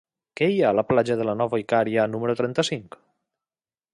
Què hi ha a la platja de la Nova Icària número trenta-cinc?